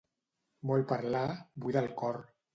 Molt parlar buida el cor.